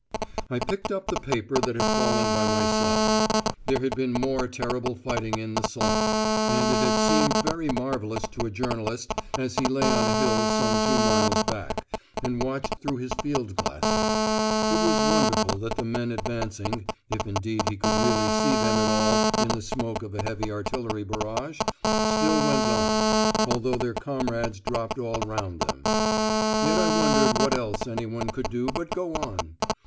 I picked up the paper that had fallen at my side. There had been more terrible fighting on the Somme, and it had seemed very marvellous to a journalist as he lay on a hill some two miles back, and watched through his field glasses: it was wonderful that the men advancing (if indeed he could really see them at all in the smoke of a heavy artillery barrage) still went on, although their comrades dropped all round them. Yet I wondered what else anyone could do but go on?